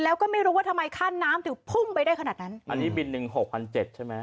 แล้วก็ไม่รู้ว่าทำไมค่าน้ำถึงพุ่งไปได้ขนาดนั้นอันนี้บินหนึ่งหกพันเจ็ดใช่ไหม